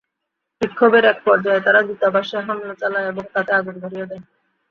বিক্ষোভের একপর্যায়ে তারা দূতাবাসে হামলা চালায় এবং তাতে আগুন ধরিয়ে দেয়।